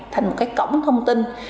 thành một cái cổng thông tin